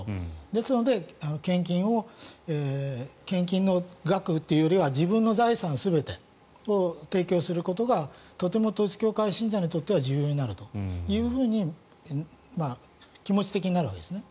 ですので、献金を献金の額というよりは自分の財産全てを提供することがとても統一教会信者にとっては重要になるというふうに気持ち的になるわけですね。